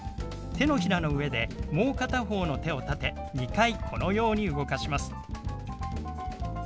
手のひらの上でもう片方の手を立て２回このように動かします。